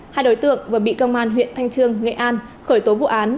hai đối tượng vừa bị công an huyện thanh trương nghệ an khởi tố vụ án